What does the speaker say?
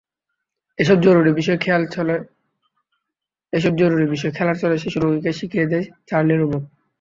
এসব জরুরি বিষয় খেলার ছলে শিশু রোগীকে শিখিয়ে দেয় চার্লি রোবট।